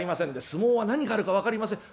相撲は何があるか分かりません。